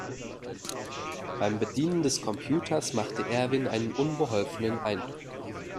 Beim Bedienen des Computers machte Erwin einen unbeholfenen Eindruck.